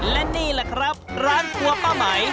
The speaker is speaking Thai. และนี่แหละครับร้านครัวป้าไหม